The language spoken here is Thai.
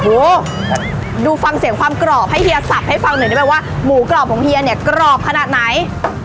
ดูฟังเสียงความกรอบให้เฮียสับให้ฟังหน่อยได้ไหมว่าหมูกรอบของเฮียเนี่ยกรอบขนาดไหน